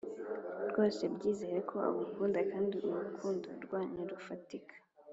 rwose byizere ko agukunda kandi urukundo rwanyu rufatika.